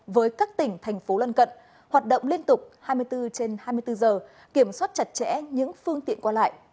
với các tỉnh thành phố lân cận hoạt động liên tục hai mươi bốn trên hai mươi bốn giờ kiểm soát chặt chẽ những phương tiện qua lại